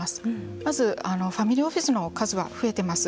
まずファミリーオフィスの数は増えています。